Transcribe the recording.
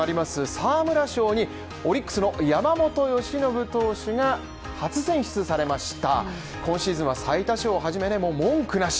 沢村賞にオリックスの山本由伸投手が初選出されました。